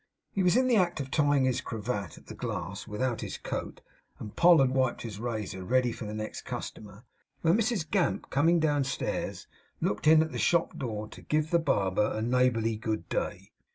He was in the act of tying his cravat at the glass, without his coat, and Poll had wiped his razor, ready for the next customer, when Mrs Gamp, coming downstairs, looked in at the shop door to give the barber neighbourly good day.